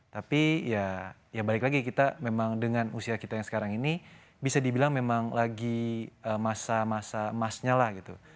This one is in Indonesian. tapi ya ya balik lagi kita memang dengan usia kita yang sekarang ini bisa dibilang memang lagi masa masa emasnya lah gitu